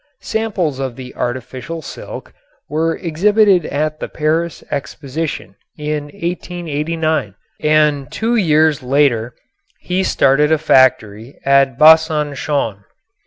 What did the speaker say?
Samples of the artificial silk were exhibited at the Paris Exposition in 1889 and two years later he started a factory at Basançon.